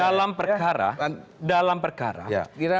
dalam perkara dalam perkara